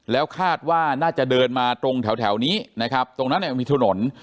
แล้วคาดว่าน่าจะเดินมาตรงแถวนี้นะครับตรงนั้นเนี่ยมันมีถนน